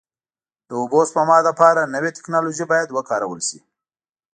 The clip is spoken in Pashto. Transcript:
د اوبو سپما لپاره نوې ټکنالوژۍ باید وکارول شي.